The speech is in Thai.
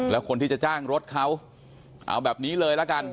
แล้วคนที่จะจ้างรถเขาเอาแบบนี้เลยละกัน